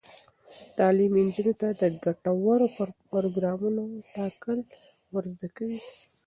تعلیم نجونو ته د ګټورو پروګرامونو ټاکل ور زده کوي.